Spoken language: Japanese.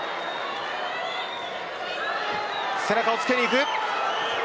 背中をつけにいく。